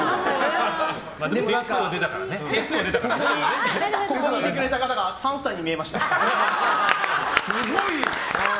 でも、ここにいてくれた方が３歳に見えました。